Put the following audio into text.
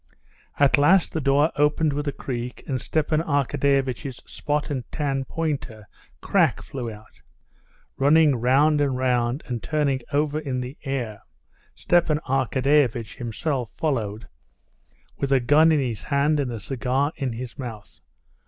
At last the door opened with a creak, and Stepan Arkadyevitch's spot and tan pointer Krak flew out, running round and round and turning over in the air. Stepan Arkadyevitch himself followed with a gun in his hand and a cigar in his mouth.